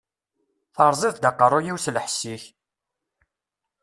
Teṛṛẓiḍ-d aqeṛṛu-yiw s lḥess-ik!